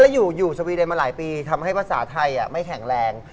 อยู่สวีเดนมาหลายปีทำให้ภาษาไทยไม่แข็งแรง